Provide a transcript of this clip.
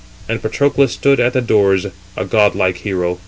And Patroclus stood at the doors, a godlike hero.